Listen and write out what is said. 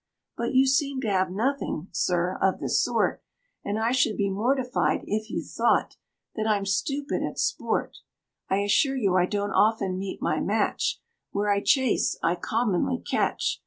But you seem to have nothing, Sir, of the sort; And I should be mortified if you thought That I'm stupid at sport; I assure you I don't often meet my match, Where I chase I commonly catch.